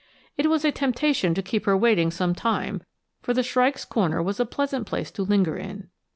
It was a temptation to keep her waiting some time, for the shrike's corner was a pleasant place to linger in.